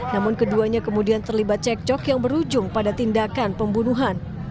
namun keduanya kemudian terlibat cekcok yang berujung pada tindakan pembunuhan